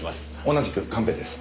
同じく神戸です。